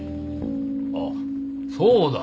あっそうだ！